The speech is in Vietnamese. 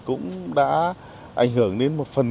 cũng đã ảnh hưởng đến một phần